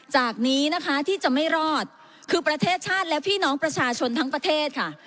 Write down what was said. จากนี้นะคะที่จะไม่รอดคือประเทศชาติและพี่น้องประชาชนทั้งประเทศค่ะ